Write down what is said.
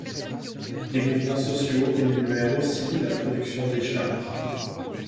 Des mouvements sociaux diminuèrent aussi la production des chars.